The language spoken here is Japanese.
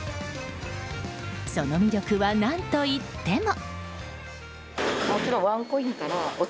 その魅力は何といっても。